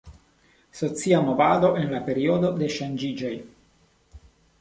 Socia movado en la periodo de ŝanĝiĝoj.